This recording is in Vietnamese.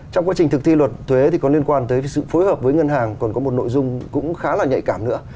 trong quá trình thực thi luật thuế thì có liên quan tới sự phối hợp với ngân hàng còn có một nội dung cũng khá là nhạy cảm nữa